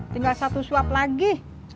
tinggal satu suap lagi